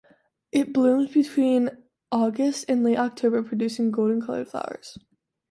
It blooms between August and late October producing golden coloured flowers.